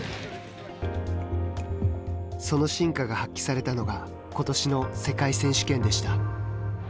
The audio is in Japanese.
その真価が発揮されたのがことしの世界選手権でした。